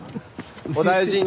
お大事に。